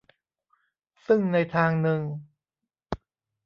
ซึ่งในทางนึง